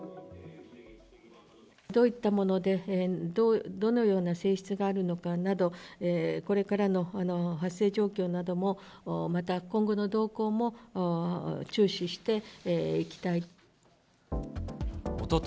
どういったもので、どのような性質があるのかなど、これからの発生状況なども、また今後の動向も注視していきたい。